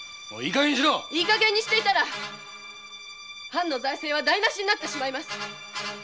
いいかげんにしていたら藩財政は台なしになってしまいます！